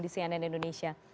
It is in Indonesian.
dengan cnn indonesia